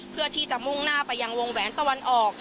เพื่อที่จะมุ่งหน้าไปยังวงแหวนตะวันออก